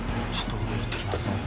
ちょっと見に行ってきます。